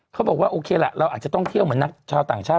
เขาบอกว่าโอเคล่ะเราอาจจะท่องเที่ยวเหมือนนักชาวต่างชาติ